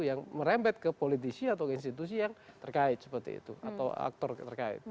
yang merembet ke politisi atau institusi yang terkait seperti itu atau aktor terkait